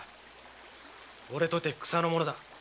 俺とて草の者だ。